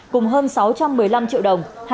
cùng hơn sáu trăm một mươi năm triệu đồng